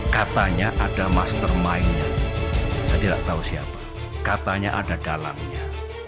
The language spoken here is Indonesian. katanya ada mastermindnya saya tidak tahu siapa katanya ada dalamnya